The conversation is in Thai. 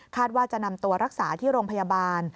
ว่าจะนำตัวรักษาที่โรงพยาบาล